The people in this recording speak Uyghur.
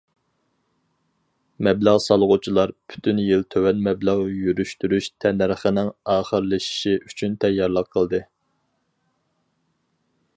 مەبلەغ سالغۇچىلار پۈتۈن يىل تۆۋەن مەبلەغ يۈرۈشتۈرۈش تەننەرخىنىڭ ئاخىرلىشىشى ئۈچۈن تەييارلىق قىلدى.